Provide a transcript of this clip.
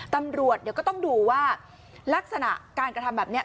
ตำรวจเดี๋ยวก็ต้องดูว่าลักษณะการกระทำแบบนี้